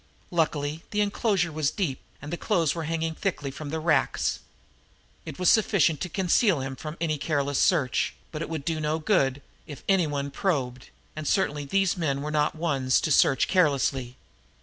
Luckily the enclosure was deep, and the clothes were hanging thickly from the racks. It was sufficient to conceal him from any careless searcher, but it would do no good if any one probed; and certainly these men were not the ones to search carelessly.